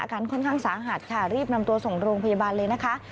อาการค่อนข้างสาหัสค่ะรีบนำตัวส่งโรงพยาบาลเลยนะคะ